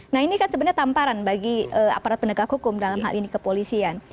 nah ini kan sebenarnya tamparan bagi aparat penegak hukum dalam hal ini kepolisian